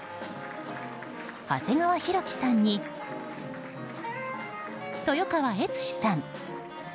長谷川博己さんに、豊川悦司さん。